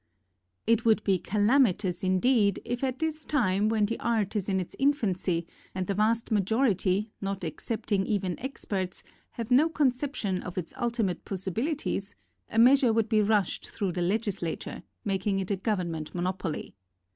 It would be calamitous, indeed, if at this time when the art is in its infancy and the vast majority, not excepting even experts, have no conception of its ultimate possi bilities, a measure would be rushed through the legislature making it a govern ment monopoly.